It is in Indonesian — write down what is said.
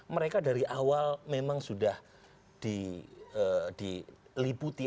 mereka dari awal memang sudah diliputi